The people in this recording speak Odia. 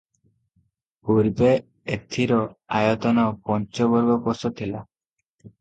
ପୂର୍ବେ ଏଥିର ଆୟତନ ପଞ୍ଚବର୍ଗକୋଶ ଥିଲା ।